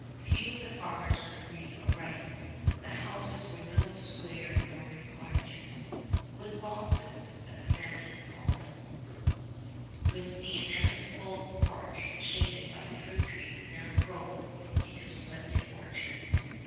Few of the farmers could read or write. The houses were little square Norman cottages, "wooden boxes" the commandant called them, with the inevitable porch shaded by the fruit trees now grown into splendid orchards.